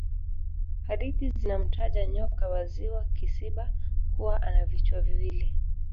hadithi zinamtaja nyoka wa ziwa kisiba kuwa ana vichwa viwili